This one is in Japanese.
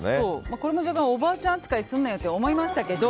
これも若干おばあちゃん扱いすんなよって思いましたけど。